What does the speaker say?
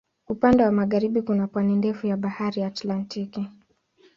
Upande wa magharibi kuna pwani ndefu ya Bahari Atlantiki.